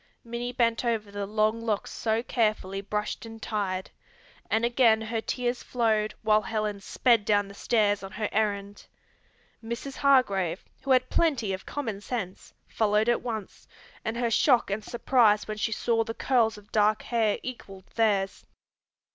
Minnie bent over the long locks so carefully brushed and tied, and again her tears flowed while Helen sped down the stairs on her errand. Mrs. Hargrave, who had plenty of common sense, followed at once, and her shock and surprise when she saw the curls of dark hair equalled theirs.